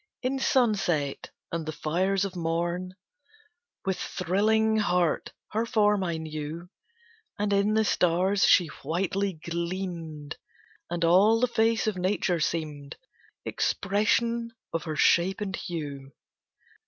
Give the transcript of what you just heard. In sunset and the fires of morn, With thrilling heart her form I knew, And in the stars she whitely gleamed, And all the face of Nature seemed Expression of her shape and hue.